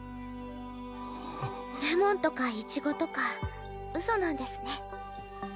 レモンとかイチゴとかうそなんですね。